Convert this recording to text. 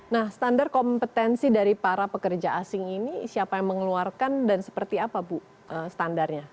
nah standar kompetensi dari para pekerja asing ini siapa yang mengeluarkan dan seperti apa bu standarnya